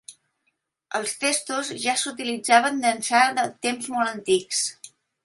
Els testos ja s'utilitzaven d'ençà de temps molt antics.